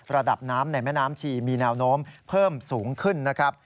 ระดับน้ำในแม่น้ำชีมีแนวโน้มเพิ่มสูงขึ้นนะครับ